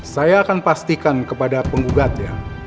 saya akan pastikan kepada penggugatnya